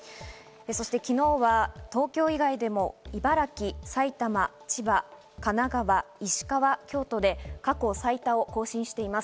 そして昨日は東京以外でも茨城、埼玉、千葉、神奈川、石川、京都で過去最多を更新しています。